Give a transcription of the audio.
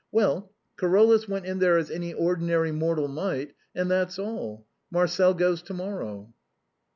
Well, Carolus went in there as any ordinary mortal might, and that's all. Marcel goes to morrow."